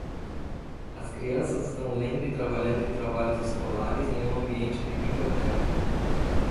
As crianças estão lendo e trabalhando em trabalhos escolares em um ambiente de biblioteca.